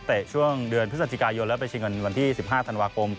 ช่วงเดือนพฤศจิกายนแล้วไปชิงเงินวันที่๑๕ธันวาคม